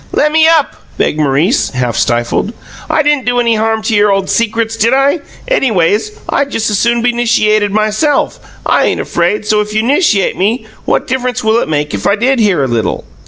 "Lemme up!" begged Maurice, half stifled. "I didn't do any harm to your old secrets, did I? Anyways, I just as soon be 'nishiated myself. I ain't afraid. So if you 'nishiate me, what difference will it make if I did hear a little?"